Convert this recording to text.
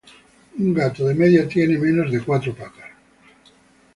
Un gato tiene, de media, menos de cuatro patas.